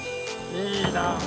いいなあ。